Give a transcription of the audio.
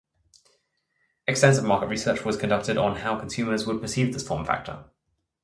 Extensive market research was conducted on how consumers would perceive this form factor.